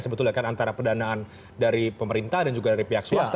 sebetulnya kan antara pendanaan dari pemerintah dan juga dari pihak swasta